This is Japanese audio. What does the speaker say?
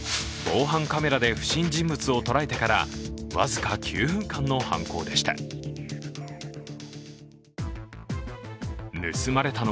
防犯カメラで不審人物を捉えてから、僅か９分間の犯行でした。